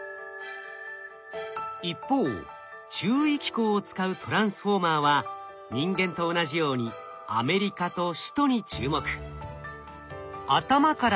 一方注意機構を使うＴｒａｎｓｆｏｒｍｅｒは人間と同じように「アメリカ」と「首都」に注目。